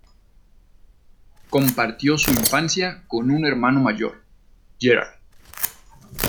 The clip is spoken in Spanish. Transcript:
Compartió su infancia con un hermano mayor, Gerard.